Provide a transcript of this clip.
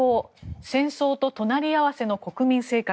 戦争と隣り合わせの国民生活。